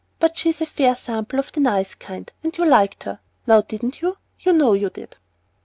But she's a fair sample of the nice kind; and you liked her, now didn't you? you know you did."